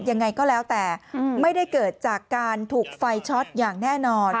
ยังไงก็แล้วแต่ไม่ได้เกิดจากการถูกไฟช็อตอย่างแน่นอน